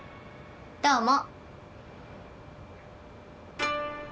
どうも。